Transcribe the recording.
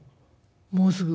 「もうすぐ。